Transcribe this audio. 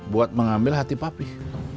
buat mengambil hati papih